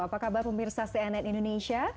apa kabar pemirsa cnn indonesia